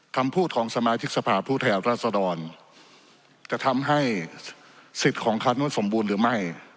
คำพูดของสมาธิกษภาพูดแถวราษฎรจะทำให้สิทธิ์ของคันว่าสมบูรณ์หรือไม่